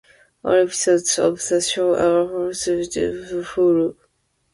All episodes of the show are also available to stream on Hulu.